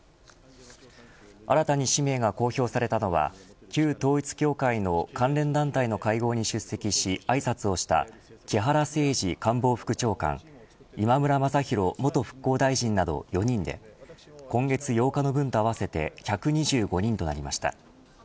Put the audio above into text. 新たに氏名が公表されたのは旧統一教会の関連団体の会合に出席しあいさつをした木原誠二官房副長官今村雅弘元復興大臣など４人で今月８日の分と合わせて１２５人となりました。